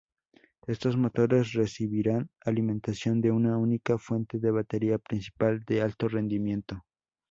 Estos motores recibirán alimentación de una única fuente de batería principal de alto rendimiento.